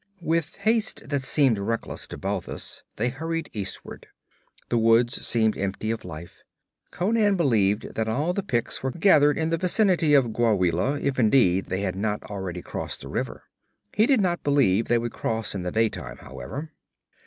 With haste that seemed reckless to Balthus they hurried eastward. The woods seemed empty of life. Conan believed that all the Picts were gathered in the vicinity of Gwawela, if indeed, they had not already crossed the river. He did not believe they would cross in the daytime, however.